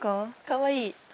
かわいい。